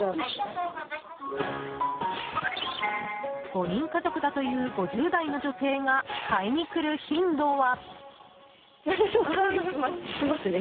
５人家族だという５０代の女性が買いに来る頻度は。